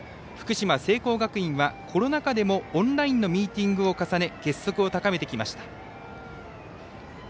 福島・聖光学院は、コロナ禍でもオンラインのミーティングを重ね結束を高めてきました。